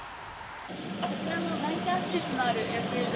こちらのナイター設備もある野球場